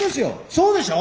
そうでしょ！？